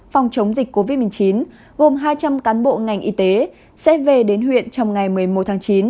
phòng chống dịch covid một mươi chín gồm hai trăm linh cán bộ ngành y tế sẽ về đến huyện trong ngày một mươi một tháng chín